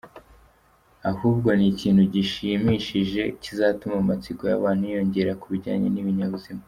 ahubwo ni ikintu gishimishije kizatuma amatsiko y’abantu yiyongera kubijyane n’ibinyabuzima.